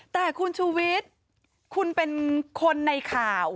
แต่คุณชูวิทย์คุณเป็นคนในข่าว